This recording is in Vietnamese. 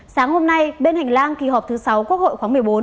sáng hôm nay bên hành lang kỳ họp thứ sáu quốc hội khóa một mươi bốn